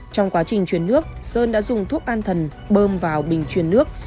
trong quá trình truyền nước sơn đã dùng thuốc an thần bơm vào bình truyền nước